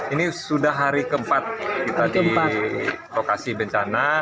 ini sudah hari keempat kita di lokasi bencana